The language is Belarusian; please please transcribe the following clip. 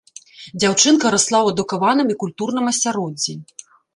Дзяўчынка расла ў адукаваным і культурным асяроддзі.